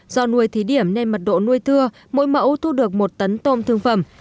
do nuôi thí điểm nên mật độ nuôi thưa mỗi mẫu thu được một tấn tôm thương phẩm